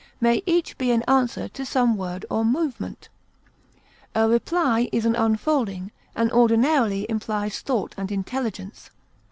may each be an answer to some word or movement. A reply is an unfolding, and ordinarily implies thought and intelligence.